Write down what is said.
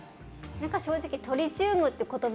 正直トリチウムという言葉